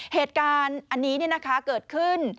เหตุการณ์อันนี้เกิดขึ้น